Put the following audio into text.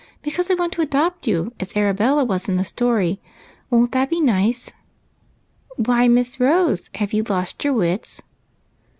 be cause I want to adojot you as Arabella was in the story. Won't that be nice?" " Why, Miss Rose, have you lost your wits